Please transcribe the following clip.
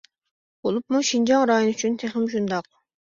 بولۇپمۇ شىنجاڭ رايونى ئۈچۈن تېخىمۇ شۇنداق.